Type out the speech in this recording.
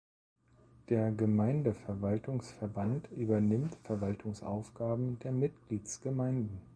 Der Gemeindeverwaltungsverband übernimmt Verwaltungsaufgaben der Mitgliedsgemeinden.